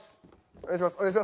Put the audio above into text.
お願いします。